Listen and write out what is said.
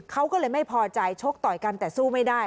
เขาก็เลยไม่พอใจชกต่อยกันแต่สู้ไม่ได้